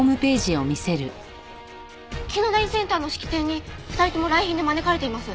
紀野谷センターの式典に２人とも来賓で招かれています。